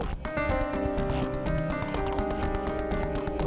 tapi kita udah nyerang dia